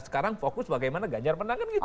sekarang fokus bagaimana ganjar menangkan gitu